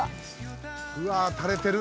「うわっ垂れてる」